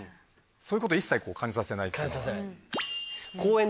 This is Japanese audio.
そういうこと一切感じさせない。